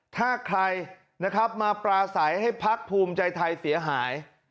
ถ้าใครนะครับมาปราศัยให้พักภูมิใจไทยเสียหาย